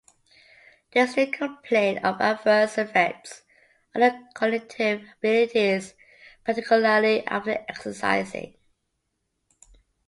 They still complain of adverse effects on their cognitive abilities, particularly after exercising.